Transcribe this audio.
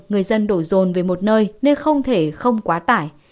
người dân đổ rồn về một nơi nên không thể không quá tải